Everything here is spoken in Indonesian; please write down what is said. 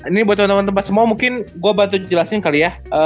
ya ini buat teman teman tebak semua mungkin gue bantu dijelasin kali ya